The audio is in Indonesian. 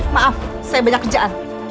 maaf saya banyak kerjaan